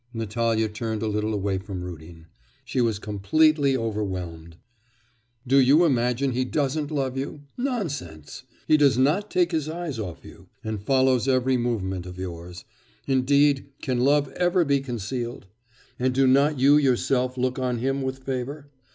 Natalya turned a little away from Rudin. She was completely overwhelmed. 'Do you imagine he doesn't love you? Nonsense! he does not take his eyes off you, and follows every movement of yours; indeed, can love ever be concealed? And do not you yourself look on him with favour?